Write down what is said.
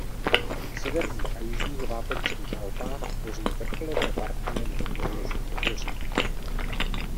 V severních a jižních vápencových Alpách tvoří vrcholové partie nebo podloží pohoří.